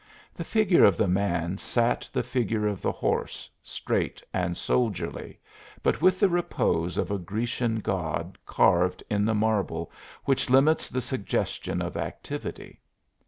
The figure of the man sat the figure of the horse, straight and soldierly, but with the repose of a Grecian god carved in the marble which limits the suggestion of activity.